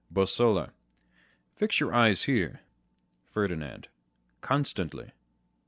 Bosola. Fix your eye here. Ferdinand. Constantly.